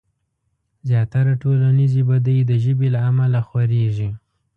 زياتره ټولنيزې بدۍ د ژبې له امله خورېږي.